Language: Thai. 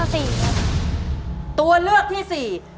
ตัวเลือกที่๔